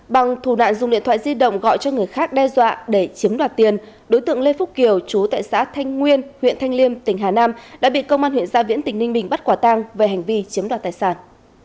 bằng thủ đoạn dùng điện thoại di động gọi cho người khác đe dọa để chiếm đoạt tiền đối tượng lê phúc kiều chú tại xã thanh nguyên huyện thanh liêm tỉnh hà nam đã bị công an huyện gia viễn tỉnh ninh bình bắt quả tang về hành vi chiếm đoạt tài sản